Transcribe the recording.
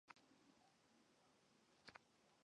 然后用这些差值来对图像的子区域进行分类。